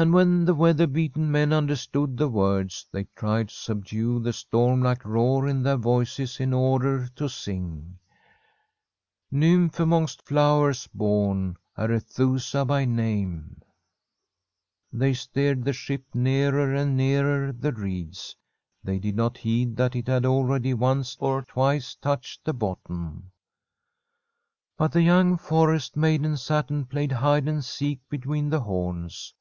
And when the weather beaten men understood the wordd, they tried to subdue the storm like roar in their voices in order to sing: * Nymph, among^st flowers born, Arethusa by name/ Tbi Forest QUEEN They steered the ship nearer and nearer the reeds. They did not heed that it had already once or twice touched the bottom. But the young forest maiden sat and played hide and seek between the horns.